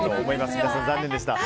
皆さん、残念でした。